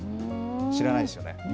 知らないですよね。